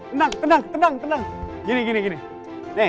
tenang tenang tenang tenang tenang gini gini gini